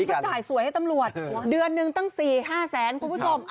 ถ้าจ่ายสวยให้ตำรวจเดือนหนึ่งตั้ง๔๕แสนคุณผู้ชม